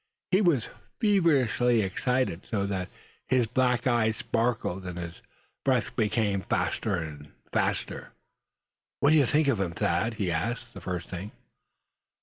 He was feverishly excited, so that his black eyes sparkled, and his breath came faster than usual. "What did you think of him, Thad?" he asked, the first thing.